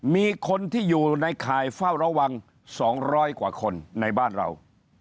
มีคนที่อยู่ในข่ายเฝ้าระวัง๒๐๐กว่าคนในบ้านเรา